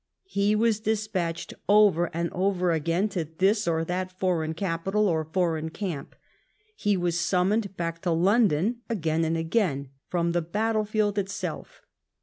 He was despatched over and over again to this or that foreign capital or 330 THE TRIUMPH OP THE TORIES foreign camp ; he was summoned back to London again and again from the battle field itself.